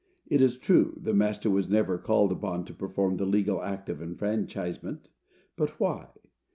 It is true, the master was never called upon to perform the legal act of enfranchisement,—and why?